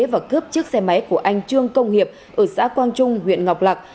và cướp chiếc xe máy của anh trương công hiệp ở xã quang trung huyện ngọc lạc